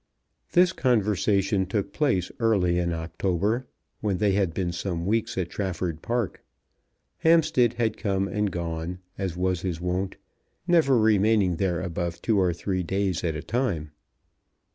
This conversation took place early in October, when they had been some weeks at Trafford Park. Hampstead had come and gone, as was his wont, never remaining there above two or three days at a time.